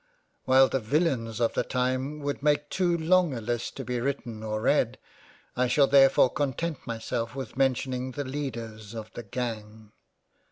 While the Villains of the time would make too long a list to be written or read ; I shall therefore content myself with mentioning the leaders of the Gang.